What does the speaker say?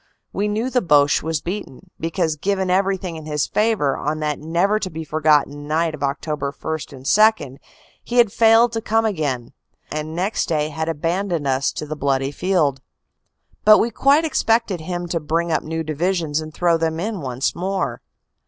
We knew the Boche was beaten, because, given everything in his favor on that never to be forgotten night of 276 CANADA S HUNDRED DAYS Oct. 1 2, he had failed to come again, and next day had aban doned to us the bloody field. But we quite expected him to bring up new divisions and throw them in once more.